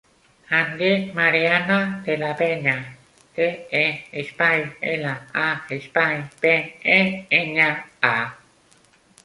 Em dic Mariana De La Peña: de, e, espai, ela, a, espai, pe, e, enya, a.